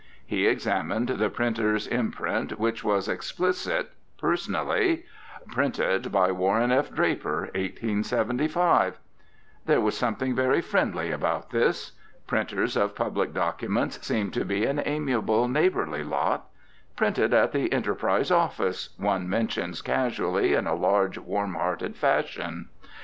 He examined the printer's imprint, which was explicit personally: "Printed by Warren F. Draper, 1875." There was something very friendly about this. Printers of public documents seem to be an amiable, neighbourly lot: "Printed at the Enterprise Office," one mentions casually in a large, warm hearted fashion.